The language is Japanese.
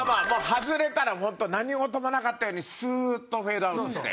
外れたらホント何事もなかったようにスーッとフェードアウトして。